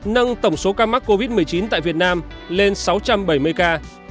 nâng tổng số ca mắc covid một mươi chín tại việt nam lên sáu trăm bảy mươi ca